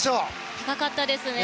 高かったですね。